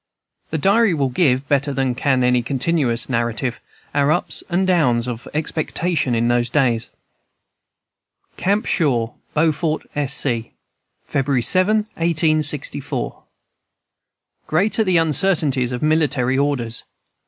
The diary will give, better than can any continuous narrative, our ups and down of expectation in those days. "CAMP SHAW, BEAUFORT, S. C., "February 7, 1864. "Great are the uncertainties of military orders!